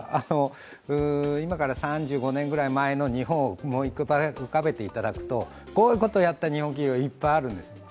今から３５年くらい前の日本を思い浮かべていただくと、こういうことをやった日本企業、いっぱいあるんです。